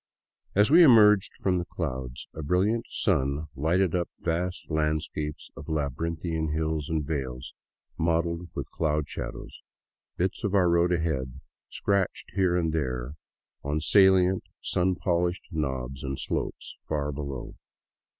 As we emerged from the clouds, a brilliant sun lighted up vast landscapes of labyrinthian hills and vales mottled with cloud shadows, bits of our road ahead scratched here and there on salient, sun polished knobs and slopes far below.